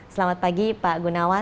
selamat pagi pak gunawan